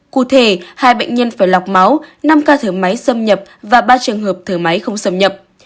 cụ thể hai bệnh nhân phải lọc máu năm ca thử máy xâm nhập và ba trường hợp thở máy không xâm nhập